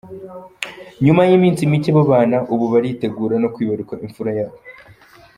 Nyuma y’iminsi micye babana, ubu baritegura no kwibaruka imfura yabo.